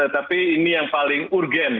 tapi ini yang paling urgen